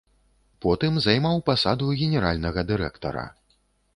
Потым займаў пасаду генеральнага дырэктара.